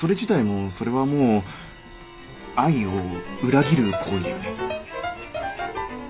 もうそれはもう愛を裏切る行為だよね？